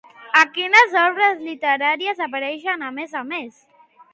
A quines obres literàries apareixen, a més a més?